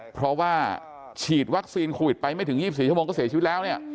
เพราะว่าฉีดวัคซีนโควิดไปไม่ถึง๒๔ชั่วโมงก็เสียชีวิตแล้วเนี่ย